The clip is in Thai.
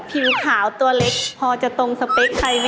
ผิวขาวตัวเล็กพอจะตรงสเปคใครไหม